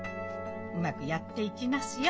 うまくやっていきますよ。